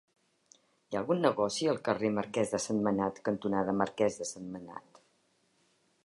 Hi ha algun negoci al carrer Marquès de Sentmenat cantonada Marquès de Sentmenat?